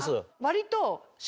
割と。